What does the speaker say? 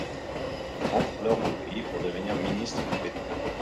Il rentre alors au pays pour devenir ministre du Pétrole.